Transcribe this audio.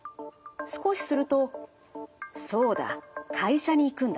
少しすると「そうだ会社に行くんだ。